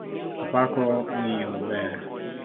Apako ng'iyo ber.